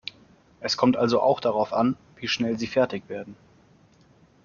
Es kommt also auch darauf an, wie schnell Sie fertig werden.